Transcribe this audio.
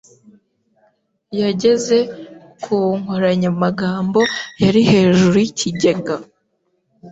yageze ku nkoranyamagambo yari hejuru yikigega.